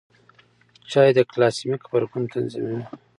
چای د ګلاسیمیک غبرګون تنظیموي.